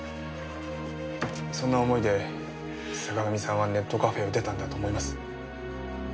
そんな思いで坂上さんはネットカフェを出たんだと思います。